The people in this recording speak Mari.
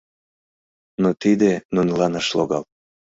Но тиде нунылан ыш логал.